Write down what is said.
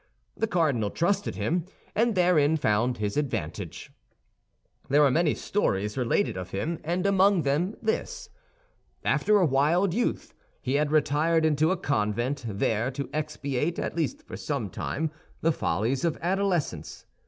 The cardinal trusted him, and therein found his advantage. There are many stories related of him, and among them this. After a wild youth, he had retired into a convent, there to expiate, at least for some time, the follies of adolescence.